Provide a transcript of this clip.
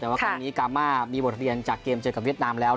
แต่ว่าครั้งนี้กามามีบทเรียนจากเกมเจอกับเวียดนามแล้ว